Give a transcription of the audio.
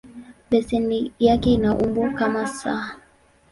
Beseni yake ina umbo kama "S".